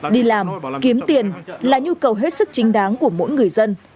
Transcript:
đi làm kiếm tiền là nhu cầu hết sức chính đáng của mỗi người dân